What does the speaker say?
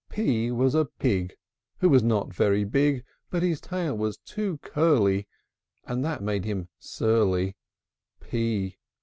P P was a pig, Who was not very big; But his tail was too curly, And that made him surly.